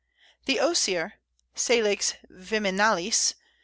] The Osier (Salix viminalis).